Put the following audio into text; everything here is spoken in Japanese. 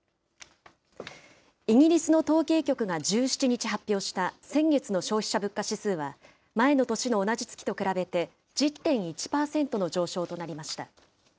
イギリスの統計局が１７日発表した先月の消費者物価指数は、前の年の同じ月と比べて１０．１％の上昇となりました。